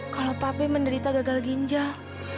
kalau papi menderita gagal ginjal